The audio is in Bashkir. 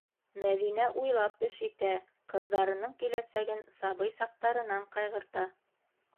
Мәҙинә уйлап эш итә: ҡыҙҙарының киләсәген сабый саҡтарынан ҡайғырта.